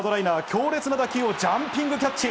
強烈な打球をジャンピングキャッチ。